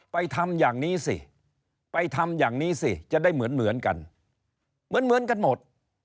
ไปทำอย่างนี้สิไปทำอย่างนี้สิจะได้เหมือนกันเหมือนกันหมด